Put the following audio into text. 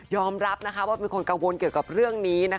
รับว่าเป็นคนกังวลเกี่ยวกับเรื่องนี้